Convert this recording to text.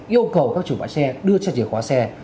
yêu cầu các chủ bãi xe đưa chặt chìa khóa xe